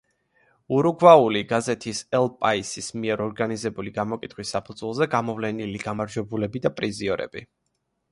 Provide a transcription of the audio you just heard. ურუგვაული გაზეთის „ელ პაისის“ მიერ ორგანიზებული გამოკითხვის საფუძველზე გამოვლენილი გამარჯვებულები და პრიზიორები.